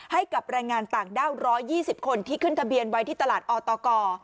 ให้กับแรงงานต่างด้าว๑๒๐คนที่ขึ้นทะเบียนไว้ที่ตลาดอตก